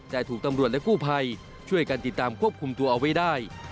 แต่ถูกตำรวจและกู้ภัยช่วยกันติดตามควบคุมตัวเอาไว้ได้